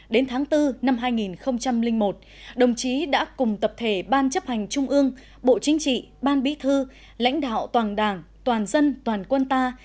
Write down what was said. đến tháng bốn năm hai nghìn một đồng chí đã cùng tập thể ban chấp hành trung ương bộ chính trị ban bí thư lãnh đạo toàn đảng toàn dân toàn quân ta